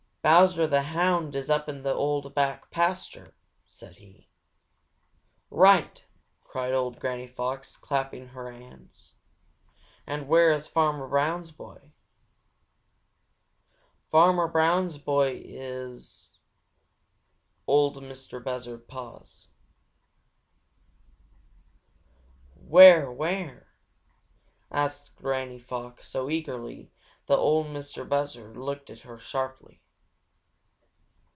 "Bowser the Hound is up in the old back pasture," said he. "Right!" cried old Granny Fox, clapping her hands. "And where is Farmer Brown's boy?" "Farmer Brown's boy is..." Ol' Mistah Buzzard paused. "Where? Where?" asked Granny Fox, so eagerly that Ol' Mistah Buzzard looked at her sharply.